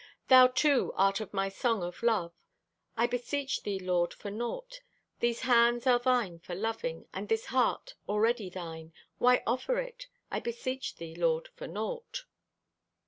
Thou, too, art of my song of love. I beseech Thee, Lord, for naught. These hands are Thine for loving, And this heart, already Thine, Why offer it? I beseech Thee, Lord, for naught.